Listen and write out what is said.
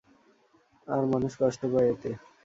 আর মানুষ কষ্ট পায় এতে।